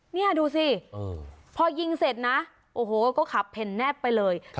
นี่ดูสิพอยิงเสร็จนะโอ้โหก็ขับเพ่นแนบไปเลย